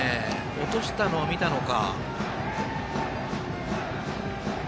落としたのを見たのか。